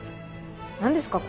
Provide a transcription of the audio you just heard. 何ですか？